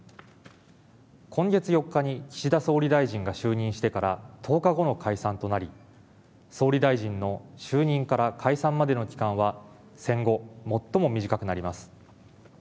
今月４日に岸田総理大臣が就任してから１０日後の解散となり総理大臣の就任から解散までの期間は戦後、最も短くなります。